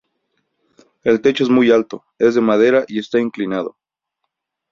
El techo es muy alto, es de madera y está inclinado.